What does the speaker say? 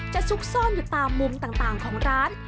จะซุกซ่อนตามมุมต่างของร้าน